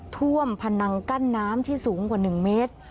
ท่วมพนังกั้นน้ำที่สูงกว่า๑เมตร